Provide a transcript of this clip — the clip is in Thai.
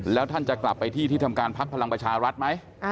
แล้วท่านจะกลับไปที่ที่ทำการพักพลังประชารัฐไหม